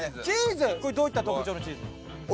これどういった特徴のチーズ？